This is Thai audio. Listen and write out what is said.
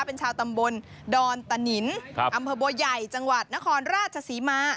เป็นชาวตำบลดอนตะนินอำเภอบัวใหญ่จังหวัดนครราชศรีมา